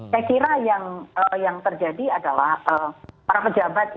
saya kira yang terjadi adalah para pejabat